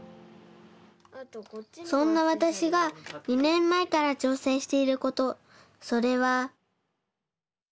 そんなわたしが２ねんまえからちょうせんしていることそれは。